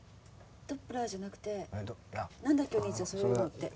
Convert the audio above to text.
ドップラーじゃなくて何だっけお兄ちゃんそういうのって。